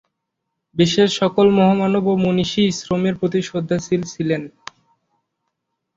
বিশ্বের সকল মহামানব ও মনীষীই শ্রমের প্রতি শ্রদ্ধাশীল ছিলেন।